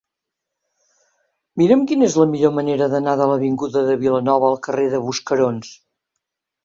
Mira'm quina és la millor manera d'anar de l'avinguda de Vilanova al carrer de Buscarons.